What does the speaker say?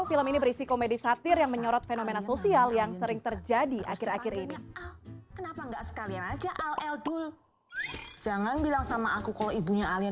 film ini berisi komedi satir yang menyorot fenomena sosial yang sering terjadi akhir akhir ini